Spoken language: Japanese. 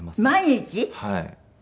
はい。